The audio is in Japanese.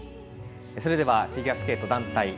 それではフィギュアスケート団体